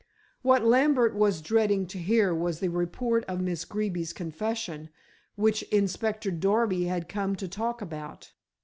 What Lambert was dreading to hear was the report of Miss Greeby's confession, which Inspector Darby had come to talk about.